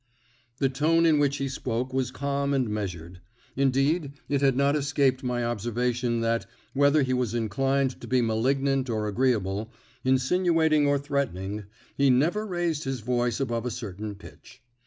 The tone in which he spoke was calm and measured; indeed, it had not escaped my observation that, whether he was inclined to be malignant or agreeable, insinuating or threatening, he never raised his voice above a certain pitch.